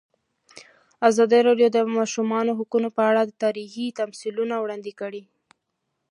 ازادي راډیو د د ماشومانو حقونه په اړه تاریخي تمثیلونه وړاندې کړي.